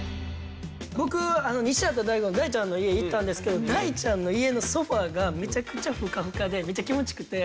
僕西畑大吾の大ちゃんの家に行ったんですけど大ちゃんの家のソファがめちゃくちゃふかふかでめっちゃ気持ちよくて。